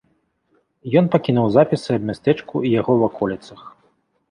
Ён пакінуў запісы аб мястэчку і яго ваколіцах.